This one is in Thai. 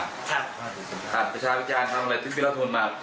ครับผ่านประชาวิทยาลัยธรรมไลน์ที่มีรัฐมนุนมา